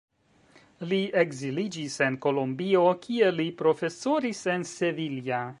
Li ekziliĝis en Kolombio, kie li profesoris en Sevilla.